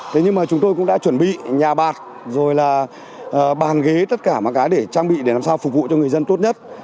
thế nhưng mà chúng tôi cũng đã chuẩn bị nhà bạc rồi là bàn ghế tất cả mọi cái để trang bị để làm sao phục vụ cho người dân tốt nhất